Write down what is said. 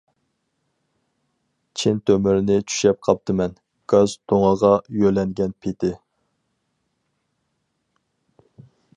چىن تۆمۈرنى چۈشەپ قاپتىمەن، گاز تۇڭىغا يۆلەنگەن پېتى!